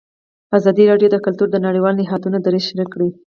ازادي راډیو د کلتور د نړیوالو نهادونو دریځ شریک کړی.